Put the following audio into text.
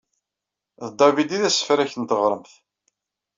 D David i d asefrak n teɣṛemt.